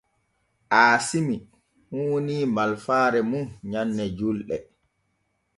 Aasimi huunii malfaare mum nyanne julɗe.